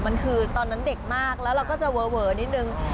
มันคือตอนนั้นเด็กมากแล้วเราก็จะเวอนิดนึง